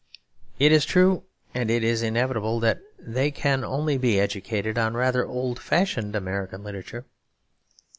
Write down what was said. It is true, and it is inevitable, that they can only be educated on rather old fashioned American literature.